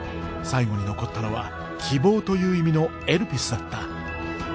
最後に残ったのは希望という意味のエルピスだった。